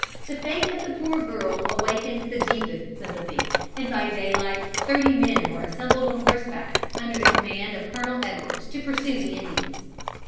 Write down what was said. The fate of the poor girl awakened the deepest sympathy, and by daylight thirty men were assembled on horseback, under the command of Col. Edwards, to pursue the Indians.